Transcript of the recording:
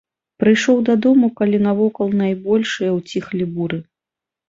Прыйшоў дадому, калі навокал найбольшыя ўціхлі буры.